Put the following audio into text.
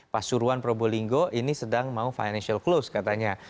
pasuruan probolinggo ini sedang mau financial close katanya